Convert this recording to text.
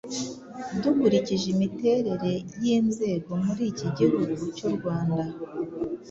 Dukurikije imiterere y’inzego muri iki Gihugu cy’u Rwanda